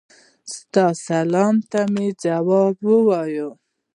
ستا سلام ته مي ځواب ووایه.